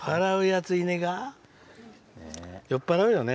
酔っ払うよね